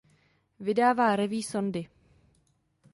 Vydává Revue Sondy.